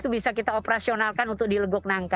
itu bisa kita operasionalkan untuk di lekoknangka